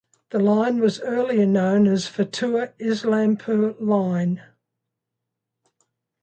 The line was earlier known as Fatuha–Islampur line.